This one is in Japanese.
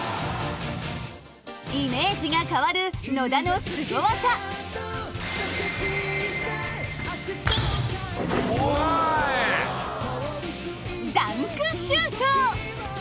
イメージが変わる野田のすご技ダンクシュート！